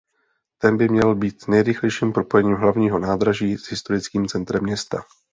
Ten by měl být nejrychlejším propojením Hlavního nádraží s historickým centrem města.